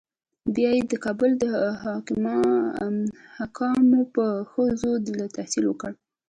بیا یې د کابل د حکامو په ښوونځي کې تحصیل وکړ.